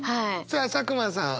さあ佐久間さん。